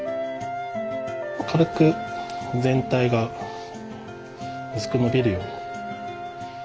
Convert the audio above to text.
軽く全体がうすくのびるように。